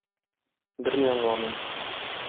Берни аңламыйм.